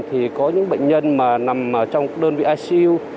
thì có những bệnh nhân mà nằm trong đơn vị icu